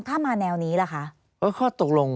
ถ้ามาแนวนี้ล่ะคะ